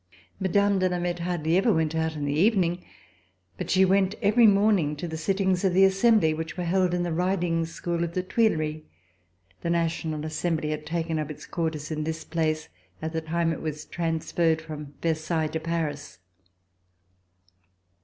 Mme. de Lameth hardly ever went out in the evening, but she went every morning to the sittings of the As sembly, which were held in the Riding School of the Tuileries. The National Assembly had taken up its quarters in this place at the time it was transferred from Versailles to Paris.